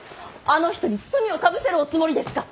あの人に罪をかぶせるおつもりですか！